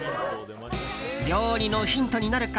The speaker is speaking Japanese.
料理のヒントになるか。